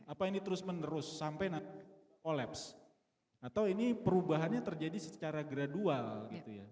apa ini terus menerus sampai kolaps atau ini perubahannya terjadi secara gradual gitu ya